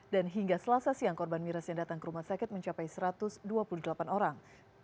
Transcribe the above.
dan hingga selasa siang korban miras yang datang ke rumah sakit mencapai satu ratus dua puluh delapan orang